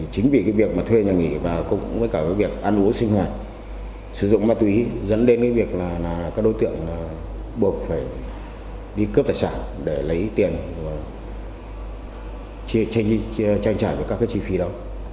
chính vì việc thuê nhà nghỉ và cũng với việc ăn uống sinh hoạt sử dụng ma túy dẫn đến việc các đối tượng buộc phải đi cướp tài sản để lấy tiền trang trải cho các chi phí đó